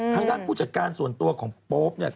ทางด้านผู้จัดการส่วนตัวของโป๊ปเนี่ย